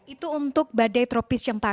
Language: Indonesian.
itu untuk badai tropis cempatan